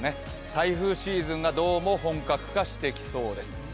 台風シーズンがどうも本格化してきそうです。